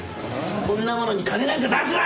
こんなものに金なんか出すな！